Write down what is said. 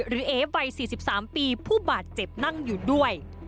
เอวัย๔๓ปีผู้บาดเจ็บนั่งอยู่ด้วย